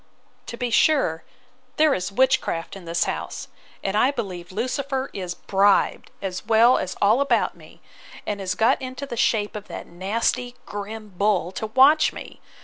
To be sure, there is witchcraft in this house; and I believe Lucifer is bribed, as well as all about me, and is got into the shape of that nasty grim bull to watch me!